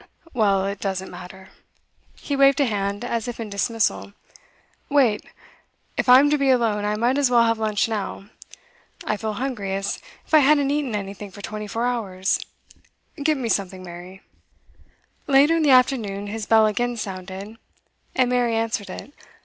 'Well, it doesn't matter.' He waved a hand, as if in dismissal. 'Wait if I'm to be alone, I might as well have lunch now. I feel hungry, as if I hadn't eaten anything for twenty four hours. Get me something, Mary.' Later in the afternoon his bell again sounded, and Mary answered it.